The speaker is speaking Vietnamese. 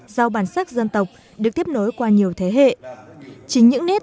do bản sắc dân tộc được tiếp nối qua nhiều thế hệ